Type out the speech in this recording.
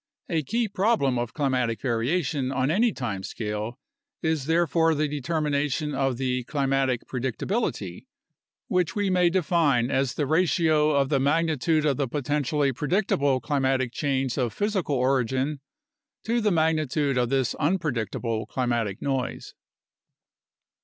A key problem of climatic variation on any time scale is therefore the determination of the "climatic predictability," which we may define as the ratio of the magnitude of the potentially predictable climatic change of physical origin to the magnitude of this unpredictable climatic noise.